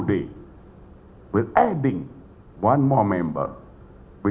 kami menambahkan satu lagi anggota